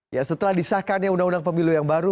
ya setelah disahkan yang undang undang pemilu yang baru